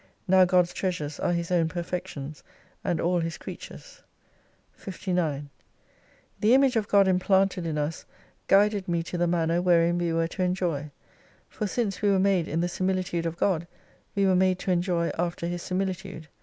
Now God's Treasures are His own perfections, and all His creatures, 59 The Image of God implanted in us, guided me to the manner wherein we were to enjoy Foi since we were made in the similitude of God, we were made to enjoy after His similitude.